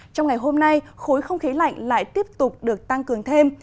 trong ngày hôm nay khối không khí lạnh lại tiếp tục được tăng cường thêm